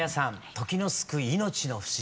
「時の救い命の不思議」。